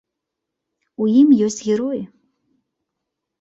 У ім ёсць героі.